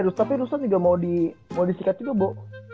ya tapi ruslan juga mau disikat juga bo